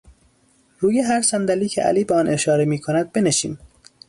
روی هر صندلی که علی به آن اشاره میکند بنشین!